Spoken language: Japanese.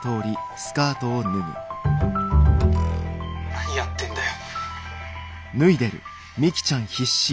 「何やってんだよ」。